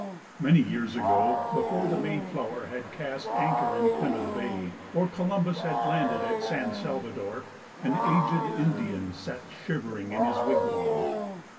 _) Many years ago, before the Mayflower had cast anchor in Plymouth Bay or Columbus had landed at San Salvador, an aged indian sat shivering in his wigwam.